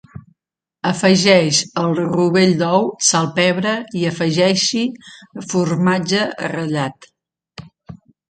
Afegeix el rovell d'ou, salpebra i afegeix-hi formatge ratllat.